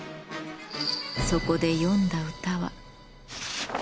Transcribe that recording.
そこで詠んだ歌は。